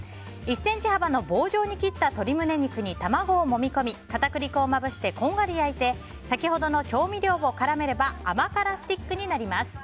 １ｃｍ幅の棒状に切った鶏胸肉に卵をもみ込み片栗粉をまぶしてこんがり焼いて先ほどの調味料を絡めれば甘辛スティックになります。